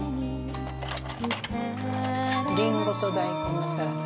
りんごと大根のサラダ。